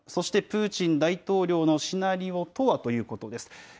そしてプーチン大統領のシナリオとはということです。